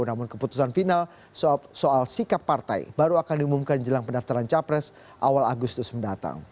namun keputusan final soal sikap partai baru akan diumumkan jelang pendaftaran capres awal agustus mendatang